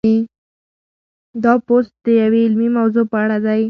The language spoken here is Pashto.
دا پوسټ د یوې علمي موضوع په اړه دی.